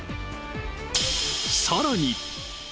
さらに。